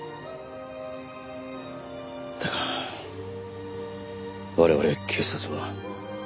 だが我々警察は。